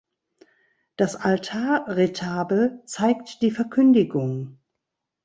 Das Altarretabel zeigt die Verkündigung.